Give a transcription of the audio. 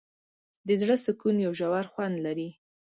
د زړه سکون یو ژور خوند لري.